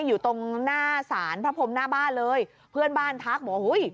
อยู่ตรงหน้าสารพระพรมหน้าบ้านเลยเพื่อนบ้านทักบอกว่าหุ้ย